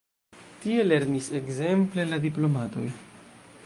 Tie lernis ekzemple la diplomatoj.